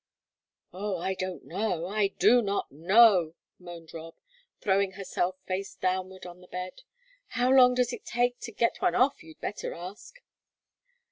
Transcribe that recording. "Oh, I don't know, I do not know," moaned Rob, throwing herself face downward on the bed. "How long does it take to get one off, you'd better ask."